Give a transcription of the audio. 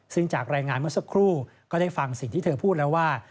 ซึ่งจากรายงานเมื่อสักครู่ก็ได้ฟังสิ่งที่เธอพูดแล้วว่า